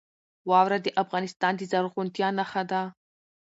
واوره د افغانستان د زرغونتیا نښه ده.